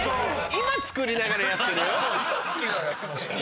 今作りながらやってましたよね？